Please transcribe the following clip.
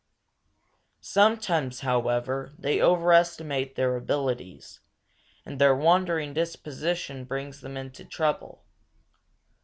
Sometimes, however, they overestimate their abilities, and their wandering disposition brings them into trouble.